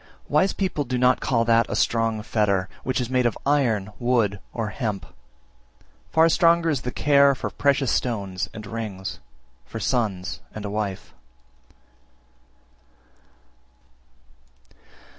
345. Wise people do not call that a strong fetter which is made of iron, wood, or hemp; far stronger is the care for precious stones and rings, for sons and a wife.